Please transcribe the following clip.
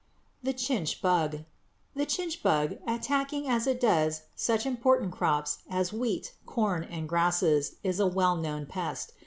=The Chinch Bug.= The chinch bug, attacking as it does such important crops as wheat, corn, and grasses, is a well known pest.